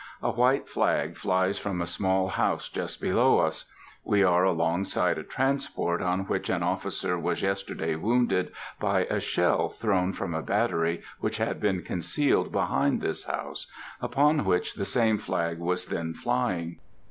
A white flag flies from a small house just below us. We are along side a transport on which an officer was yesterday wounded by a shell thrown from a battery which had been concealed behind this house, upon which the same flag was then flying.